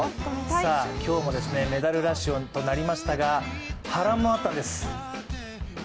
さあ今日もメダルラッシュとなりましたが波乱もあったんです。